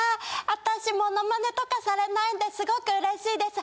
私モノマネとかされないんですごく嬉しいです。